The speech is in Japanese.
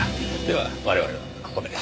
では我々はここで。